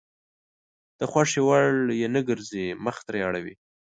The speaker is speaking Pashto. د خوښې وړ يې نه ګرځي مخ ترې اړوي.